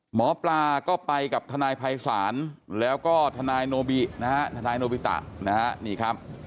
หมอปลาก็ไปกับทนายภัยสารแล้วก็ทนายโนบิตะ